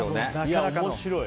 面白い。